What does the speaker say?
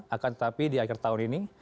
akan tetapi di akhir tahun ini